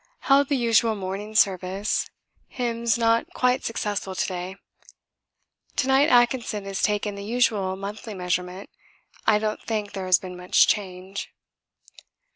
Held the usual Morning Service. Hymns not quite successful to day. To night Atkinson has taken the usual monthly measurement. I don't think there has been much change.